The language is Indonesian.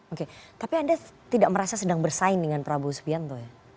oke tapi anda tidak merasa sedang bersaing dengan prabowo subianto ya